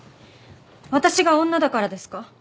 私が女だからですか？